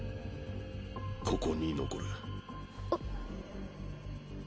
ここに残る。